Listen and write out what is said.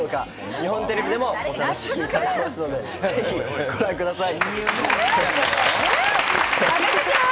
日本テレビでもお楽しみいただけますので、ぜひご覧ください。